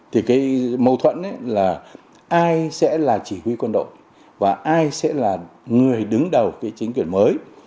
thì cái mâu thuẫn ấy là ai sẽ là chỉ huy quân đội và ai sẽ là người đứng đầu cái chính quyền mới